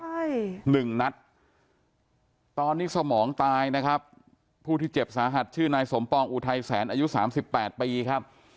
ใช่หนึ่งนัดตอนนี้สมองตายนะครับผู้ที่เจ็บสาหัสชื่อนายสมปองอุทัยแสนอายุสามสิบแปดปีครับ